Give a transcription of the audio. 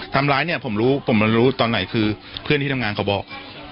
ทำร้ายเนี่ยผมรู้ผมรู้ตอนไหนคือเพื่อนที่ทำงานเขาบอก